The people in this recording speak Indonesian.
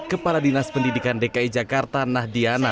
kepala dinas pendidikan dki jakarta nahdiana